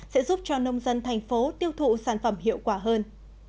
sẽ giúp cho nông dân thành phố tiêu thụ sản phẩm hiệu quả hơn